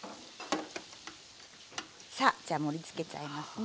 さあじゃ盛りつけちゃいますね。